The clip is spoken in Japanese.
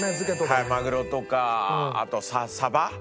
マグロとかあとサバ？